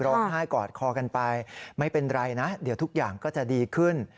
ร้องไห้กอดคอกันไปไม่เป็นไรนะเดี๋ยวทุกอย่างก็จะดีขึ้น